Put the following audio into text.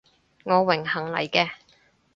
我榮幸嚟嘅